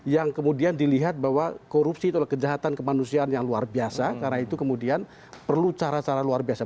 yang kemudian dilihat bahwa korupsi itu adalah kejahatan kemanusiaan yang luar biasa karena itu kemudian perlu cara cara luar biasa